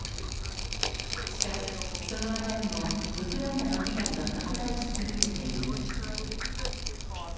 しかし、その間にもウクライナの被害は拡大し続けている。